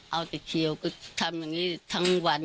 เอาแต่เคี้ยวก็ทำอย่างนี้ทั้งวัน